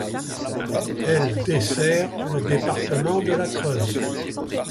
Elle dessert le département de la Creuse.